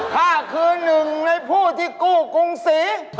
ถ้าคือหนึ่งในผู้ที่กู้กรุงศรี